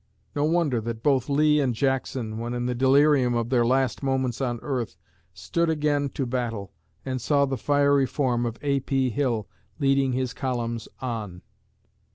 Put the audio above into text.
No wonder that both Lee and Jackson, when in the delirium of their last moments on earth, stood again to battle, and saw the fiery form of A. P. Hill leading his columns on.